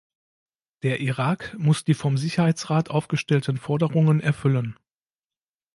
Der Irak muss die vom Sicherheitsrat aufgestellten Forderungen erfüllen.